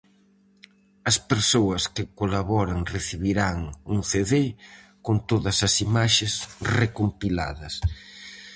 As persoas que colaboren recibirán un cedé con todas as imaxes recompiladas.